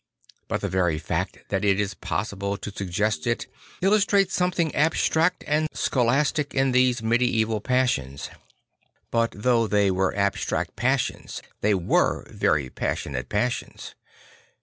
But the very fact that it is possible to sug gest it illustrates something abstract and scholastic in these medieval passions. But though they were abstract passions they were very passionate passions.